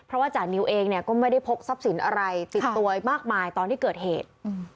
เพราะว่าจานิวเองเนี่ยก็ไม่ได้พกทรัพย์สินอะไรติดตัวมากมายตอนที่เกิดเหตุ